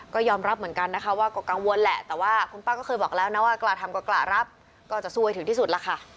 ก็ยอมรับเหมือนกันว่าก็กังวลแหละแต่ว่าพนักงานก็เคยบอกแล้วกล่าทำกล่ารับก็จะซวยถึงที่สุด